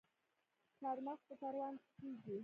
چارمغز په پروان کې کیږي